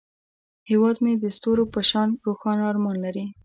هیواد مې د ستورو په شان روښانه ارمان لري